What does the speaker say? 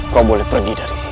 kau boleh pergi dari sini